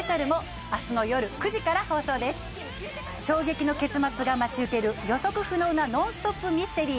衝撃の結末が待ち受ける予測不能なノンストップミステリー。